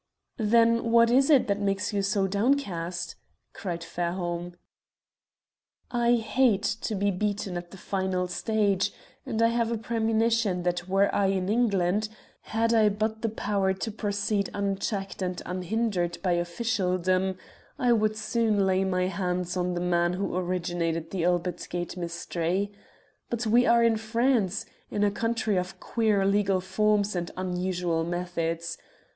"Then what is it that makes you so downcast?" cried Fairholme. "I hate to be beaten at the final stage, and I have a premonition that were I in England had I but the power to proceed unchecked and unhindered by officialdom I would soon lay my hands on the man who originated the Albert Gate mystery. But we are in France in a country of queer legal forms and unusual methods.